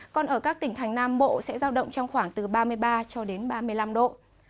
còn ở các tỉnh thành nam bộ sẽ giao động trong khoảng từ ba mươi ba cho đến ba mươi năm độ